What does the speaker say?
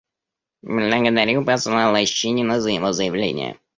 Благодарю посла Лощинина за его заявление.